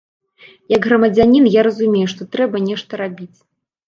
Як грамадзянін я разумею, што трэба нешта рабіць.